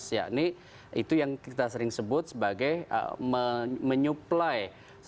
ya ini itu yang kita sering sebut sebagai menyuplai